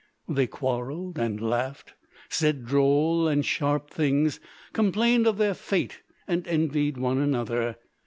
They quarrelled and laughed, said droll and sharp things, complained of their fate and envied one another.